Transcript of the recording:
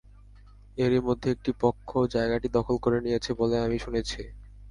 এরই মধ্যে একটি পক্ষ জায়গাটি দখল করে নিয়েছে বলে আমি শুনেছি।